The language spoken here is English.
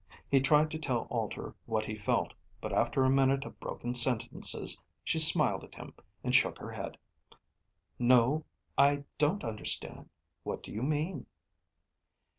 He tried to tell Alter what he felt, but after a minute of broken sentences, she smiled at him and shook her head. "No, I don't understand. What do you mean?"